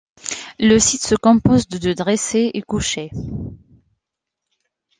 Le site se compose de de dressés et couchées.